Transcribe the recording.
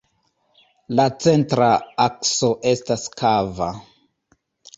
La centra akso estas kava.